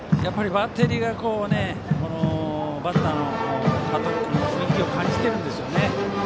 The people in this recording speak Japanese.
バッテリーがバッターの加藤君の雰囲気を感じているんですよね。